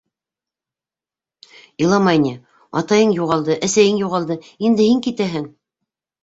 — Иламай ни, атайың юғалды, әсәйең юғалды, инде һин китәһең.